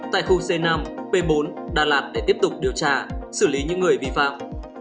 tại khu c năm p bốn đà lạt để tiếp tục điều tra xử lý những người vi phạm